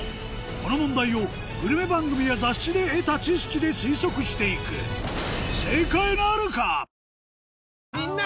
この問題をグルメ番組や雑誌で得た知識で推測していくみんな！